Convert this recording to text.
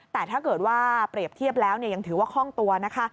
แต่ถ้าเกิดว่าเปรียบเทียบแล้วยังถือว่าคล่องตัวนะคะ